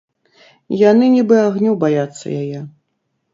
Яны нібы агню баяцца яе.